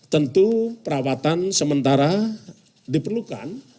tentu perawatan sementara diperlukan